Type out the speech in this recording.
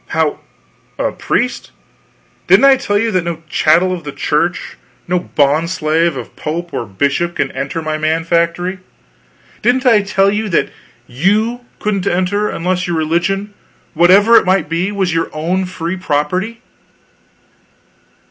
"How a priest? Didn't I tell you that no chattel of the Church, no bond slave of pope or bishop can enter my Man Factory? Didn't I tell you that you couldn't enter unless your religion, whatever it might be, was your own free property?"